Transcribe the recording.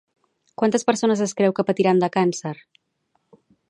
Quantes persones es creu que patiran de càncer?